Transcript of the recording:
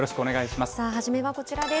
さあ、初めはこちらです。